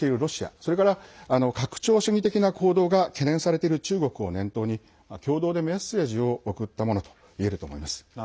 それから拡張主義的な行動が懸念されている中国を念頭に共同でメッセージを送ったものといえると思います。